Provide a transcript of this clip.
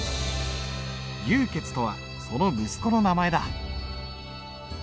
「牛」とはその息子の名前だ。